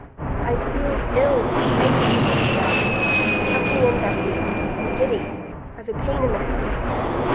"I feel ill—faintish," he said. "Help me in, Bessy—I'm giddy—I've a pain i' the head."